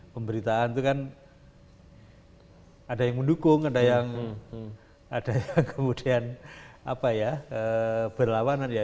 pemberitaan itu kan ada yang mendukung ada yang berlawanan